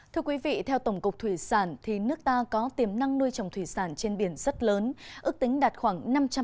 thưa quý vị theo tổng cục thủy sản nước ta có tiềm năng nuôi trồng thủy sản trên biển rất lớn ước tính đạt khoảng năm trăm linh